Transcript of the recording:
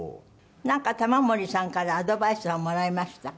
なんか玉森さんからアドバイスはもらいましたか？